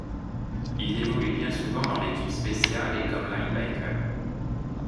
Il évolue bien souvent dans l'équipe spéciale et comme linebacker.